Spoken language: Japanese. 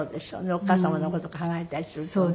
お母様の事考えたりするとね。